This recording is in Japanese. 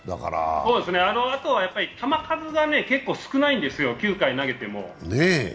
あと、球数が結構少ないんですよ、９回投げても。